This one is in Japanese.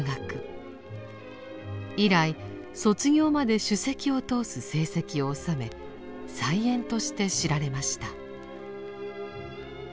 以来卒業まで首席を通す成績をおさめ才媛として知られました。